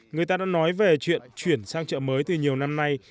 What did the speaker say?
người ta đã nói về chuyện chuyển sang chợ mới từ nhiều năm nay